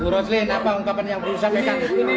roslin apa ungkapan yang berusaha